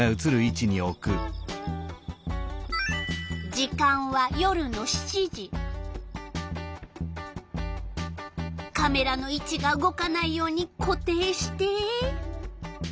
時間はカメラの位置が動かないように固定して。